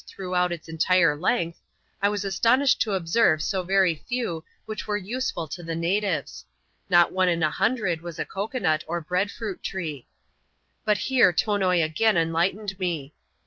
} A HUNTING RAMBLE WITH ZEKE^ 315 entire length, I was astonished to observe so very few which were useful to the natives : not one in a hundred was a cocoa nut or bread £ruit tree. But here Tonoi again enlightened me.